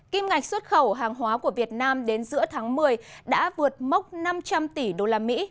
kim ngạch xuất khẩu hàng hóa của việt nam đến giữa tháng một mươi đã vượt mốc năm trăm linh tỷ usd